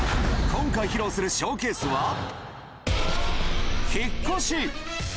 今回披露するショーケースは、引っ越し。